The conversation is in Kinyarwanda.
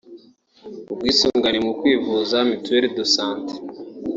ubwisungane mu kwivuza (mutuelle de santé)